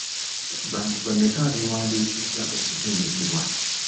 Bantu bameka abewandiisizza okutendekebwa?